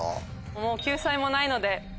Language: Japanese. もう救済もないので。